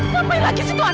kenapa lagi situ anak